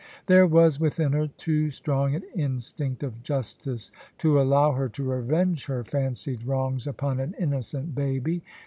There was within her too strong an instinct of justice to allow her to revenge her 8o POLICY AND PASSION. fancied wrongs upon an innocent baby.